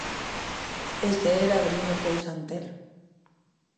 Ese era Avelino Pousa Antelo.